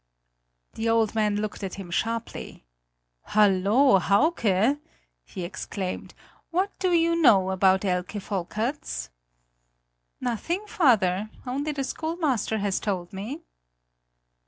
The old man looked at him sharply. "Hallo, Hauke," he exclaimed "what do you know about Elke Volkerts?" "Nothing, father; only the schoolmaster has told me?"